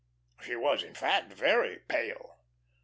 She was, in fact, very pale.